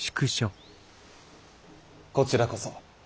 こちらこそ。